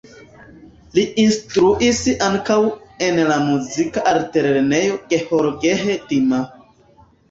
Li instruis ankaŭ en la Muzika Altlernejo Gheorghe Dima.